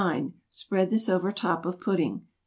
Spread this over top of pudding.